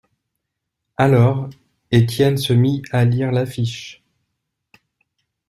Alors, Étienne se mit à lire l’affiche.